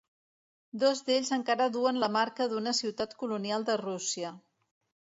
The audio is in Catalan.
Dos d'ells encara duen la marca d'una ciutat colonial de Rússia.